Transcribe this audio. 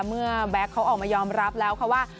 แบ็คเขาออกมายอมรับแล้วค่ะว่า